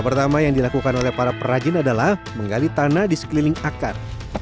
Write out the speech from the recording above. pertama yang dilakukan oleh para perajin adalah menggali tanah di sekeliling akar